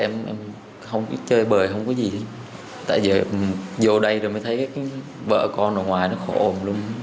vậy là em không chơi bời không có gì hết tại giờ vô đây rồi mới thấy vợ con ở ngoài nó khổ ổn luôn